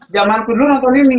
jamanku dulu nonton ini